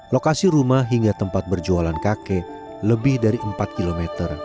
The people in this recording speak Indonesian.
lokasi rumah hingga tempat berjualan kakek lebih dari empat km